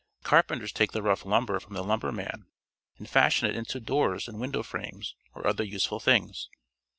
Car penters take the rough lumber from the lumbermen and fashion it into doors and window frames or other useful things.